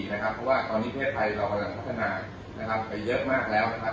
เพราะว่าตอนนี้เพศไทยเรากำลังพัฒนาไปเยอะมากแล้ว